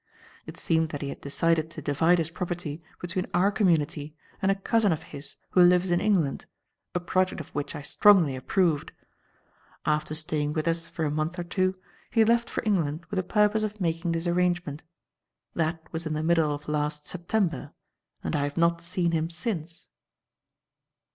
It seemed that he had decided to divide his property between our community and a cousin of his who lives in England, a project of which I strongly approved. After staying with us for a month or two, he left for England with the purpose of making this arrangement. That was in the middle of last September, and I have not seen him since."